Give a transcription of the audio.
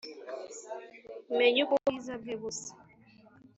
meny’ uk’ ubwiza bwe busa